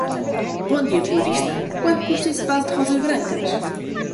Bom dia florista. Quanto custa esse vaso de rosas brancas?